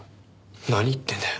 何言ってんだよ。